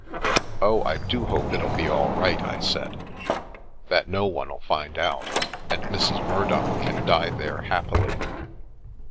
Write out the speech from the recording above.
" Oh, I do hope it'll be all right! " I said; "that no one'U find out, and Mrs. Murdock can die there hap pily.